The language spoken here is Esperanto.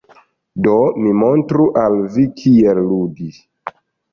Do mi montru al vi kiel ludi.